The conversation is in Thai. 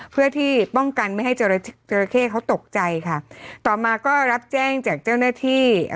เพื่อที่ป้องกันไม่ให้จราเข้เขาตกใจค่ะต่อมาก็รับแจ้งจากเจ้าหน้าที่